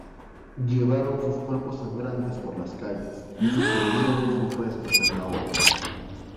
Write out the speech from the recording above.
Llevaron sus cuerpos sangrantes por las calles y suspendieron sus restos en la horca.